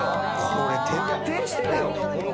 これ徹底してるよ。